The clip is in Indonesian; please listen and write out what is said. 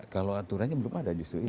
kalau aturannya belum ada justru